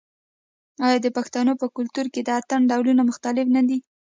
آیا د پښتنو په کلتور کې د اتن ډولونه مختلف نه دي؟